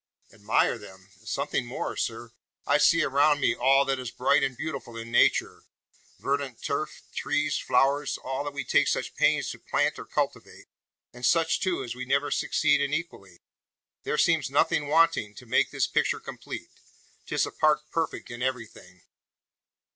"Admire them? Something more, sir! I see around me all that is bright and beautiful in nature: verdant turf, trees, flowers, all that we take such pains to plant or cultivate; and such, too, as we never succeed in equalling. There seems nothing wanting to make this picture complete 'tis a park perfect in everything!"